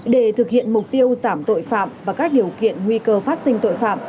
để thực hiện mục tiêu giảm tội phạm và các điều kiện nguy cơ phát sinh tội phạm